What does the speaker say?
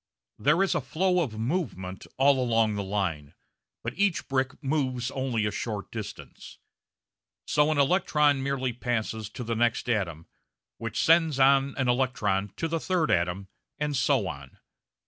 There is a flow of movement all along the line, but each brick moves only a short distance. So an electron merely passes to the next atom, which sends on an electron to a third atom, and so on.